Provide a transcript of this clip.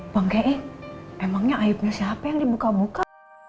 bang ke'ing emangnya aibnya siapa yang dibuka buka